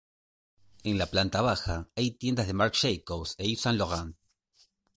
En la planta baja hay tiendas de Marc Jacobs e Yves Saint Laurent.